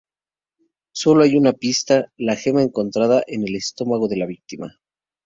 Solo hay una pista: la gema encontrada en el estómago de la víctima.